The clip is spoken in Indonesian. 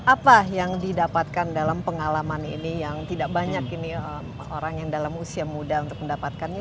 apa yang didapatkan dalam pengalaman ini yang tidak banyak ini orang yang dalam usia muda untuk mendapatkannya